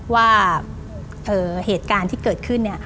ว่าเหตุการณ์ที่เกิดขึ้น